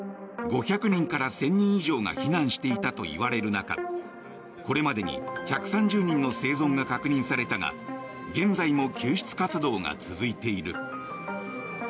５００人から１０００人以上が避難したといわれる中これまでに１３０人の生存が確認されたが現在も救出活動が続いている。